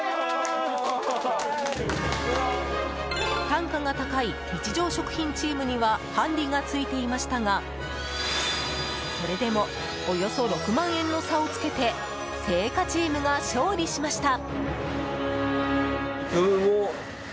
単価が高い日常食品チームにはハンディがついていましたがそれでもおよそ６万円の差をつけて青果チームが勝利しました。